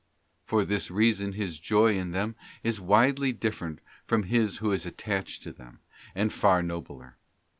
For this reason his joy in them is widely different from his who is attached to them, and far nobler.